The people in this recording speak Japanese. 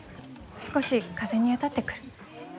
少し風に当たってくる。